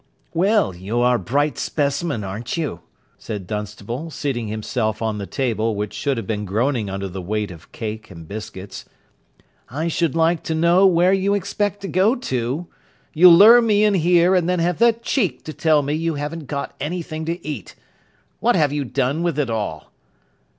"Well, you are a bright specimen, aren't you?" said Dunstable, seating himself on the table which should have been groaning under the weight of cake and biscuits. "I should like to know where you expect to go to. You lure me in here, and then have the cheek to tell me you haven't got anything to eat. What have you done with it all?"